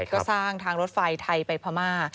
ก็สร้างทางรถไฟไทยไปพม่า